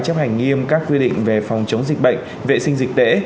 chấp hành nghiêm các quy định về phòng chống dịch bệnh vệ sinh dịch tễ